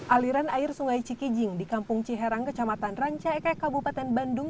aliran air sungai cikijing di kampung ciherang kecamatan ranca ekek kabupaten bandung